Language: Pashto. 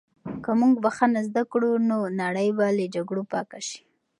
که موږ بښنه زده کړو، نو نړۍ به له جګړو پاکه شي.